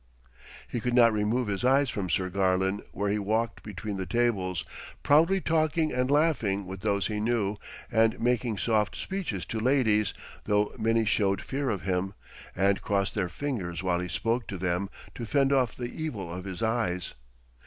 He could not remove his eyes from Sir Garlon where he walked between the tables, proudly talking and laughing with those he knew, and making soft speeches to ladies, though many showed fear of him, and crossed their fingers while he spoke to them, to fend off the evil of his eyes.